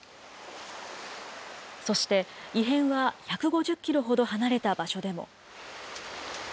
そして、異変は１５０キロほど離れた場所でも。